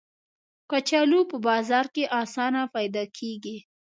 کچالو په بازار کې آسانه پیدا کېږي